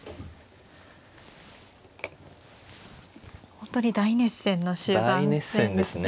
本当に大熱戦の終盤戦ですね。